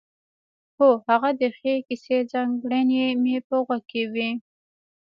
هو هغه د ښې کیسې ځانګړنې مې په غوږ کې وې.